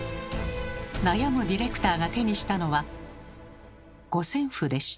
悩むディレクターが手にしたのは五線譜でした。